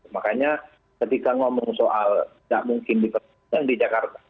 makanya ketika ngomong soal gak mungkin diperbolehkan di jakarta